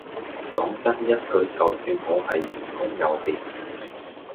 講真一句就算我係員工又點